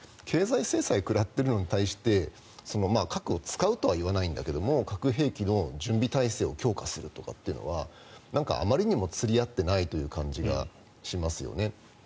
経済制裁を食らっているのに対して核を使うとは言わないんだけど核兵器の準備態勢を強化するというのはあまりにも釣り合ってないという感じがしますよね。